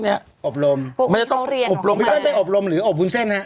เนี้ยอบรมมันจะต้องอบรมพี่ป้อนต้องไปอบรมหรืออบวุ้นเส้นฮะ